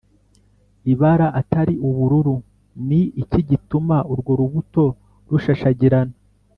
Ibara atari ubururu ni iki gituma urwo rubuto rushashagirana